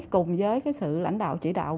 cùng với sự lãnh đạo chỉ đạo